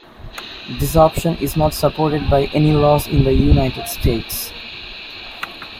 This option is not supported by any laws in the United States.